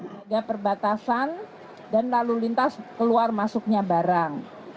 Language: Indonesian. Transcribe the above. ada perbatasan dan lalu lintas keluar masuknya barang